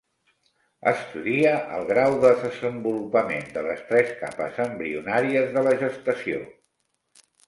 Estudie el grau de desenvolupament de les tres capes embrionàries de la gestació.